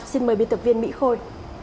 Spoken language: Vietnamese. xin mời biên tập viên mỹ khôi